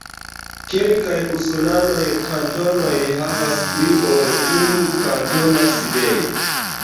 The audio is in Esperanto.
Kelkaj usonaj kantonoj havas pli ol unu kantona sidejo.